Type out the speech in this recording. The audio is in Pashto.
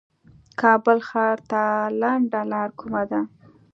کابل ښار ته لنډه لار کومه ده